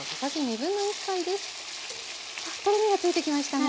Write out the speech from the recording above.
とろみがついてきましたね。